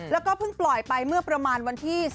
แล้วก็เพิ่งปล่อยไปเมื่อประมาณวันที่